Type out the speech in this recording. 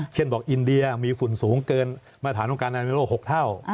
เช่นบอกอินเดียมีฝุ่นสูงเกินมาตรฐานของการอนามโลก๖เท่า